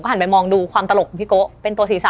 หันไปมองดูความตลกของพี่โกะเป็นตัวศีรษะ